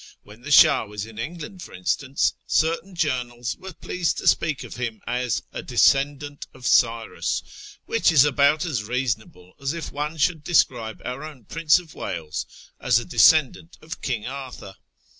When the Shah was in England, for instance, certain journals were pleased to speak of him as a " descendant of Cyrus," which is about as reasonable as if one should describe our own Prince of Wales as a descendant of King Arthur.